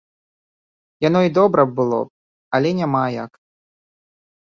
Яно і добра было б, але няма як.